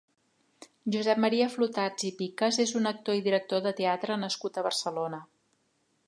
Josep Maria Flotats i Picas és un actor i director de teatre nascut a Barcelona.